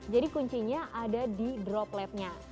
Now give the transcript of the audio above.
jadi kuncinya ada di dropletnya